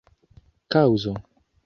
kaŭzo